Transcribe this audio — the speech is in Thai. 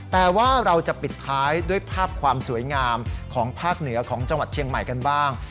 แต่ว่าเราจะปิดท้ายด้วยภาพความสวยงามของภาคเหนือของจังหวัดเชียงใหม่กันบ้าง